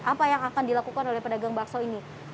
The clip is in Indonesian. apa yang akan dilakukan oleh pedagang bakso ini